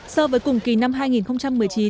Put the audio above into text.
so với cùng kỳ năm hai nghìn một mươi chín